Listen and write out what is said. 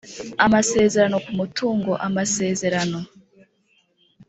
amasezerano ku mutungo amasezerano